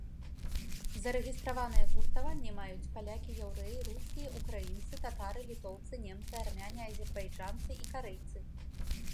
Зарэгістраваныя згуртаванні маюць палякі, яўрэі, рускія, украінцы, татары, літоўцы, немцы, армяне, азербайджанцы і карэйцы.